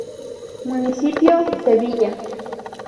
Municipio: Sevilla.